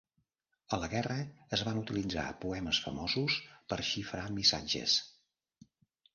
A la guerra, es van utilitzar poemes famosos per xifrar missatges.